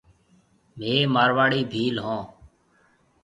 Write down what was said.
ميه مارواڙي ڀيل هون۔